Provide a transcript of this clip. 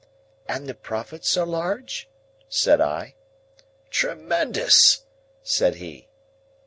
"And the profits are large?" said I. "Tremendous!" said he.